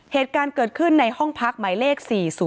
เหตุการณ์เกิดขึ้นในห้องพักหมายเลข๔๐